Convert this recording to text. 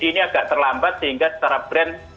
ini agak terlambat sehingga secara brand